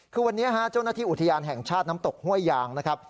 คือวันนี้เจ้าหน้าที่อุทยานแห่งชาติน้ำตกห้วยยางนะครับ